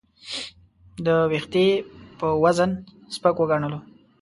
د وېښتې په وزن سپک وګڼلو.